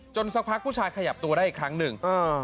สักพักผู้ชายขยับตัวได้อีกครั้งหนึ่ง